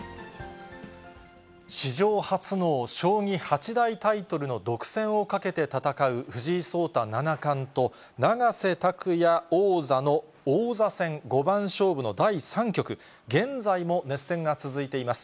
史上初の将棋八大タイトルの独占をかけて戦う藤井聡太七冠と、永瀬拓矢王座の王座戦五番勝負の第３局、現在も熱戦が続いています。